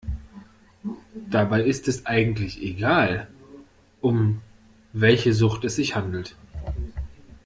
Dabei ist es eigentlich egal, um welche Sucht es sich handelt.